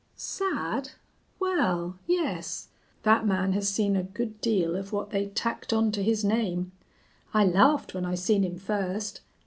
"Sad? Wal, yes. That man has seen a good deal of what they tacked on to his name. I laughed when I seen him first.